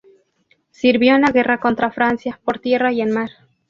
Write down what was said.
Sirvió en la guerra contra Francia por tierra y en mar.